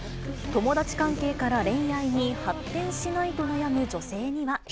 友達関係から恋愛に発展しないと悩む女性には。